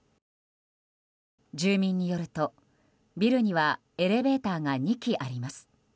住民によるとビルにはエレベーターが２基あります。